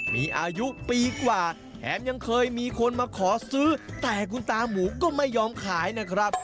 มีอายุปีกว่าแถมยังเคยมีคนมาขอซื้อแต่คุณตาหมูก็ไม่ยอมขายนะครับ